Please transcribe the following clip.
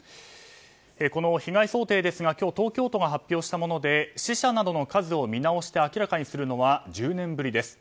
この被害想定ですが今日、東京都が発表したもので死者などの数を見直して明らかにするのは１０年ぶりです。